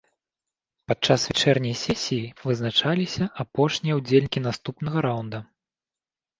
Падчас вячэрняй сесіі вызначаліся апошнія ўдзельнікі наступнага раўнда.